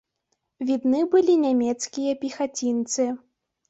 Відны былі нямецкія пехацінцы.